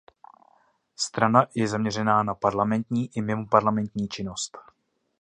Strana je zaměřená na parlamentní i mimoparlamentní činnost.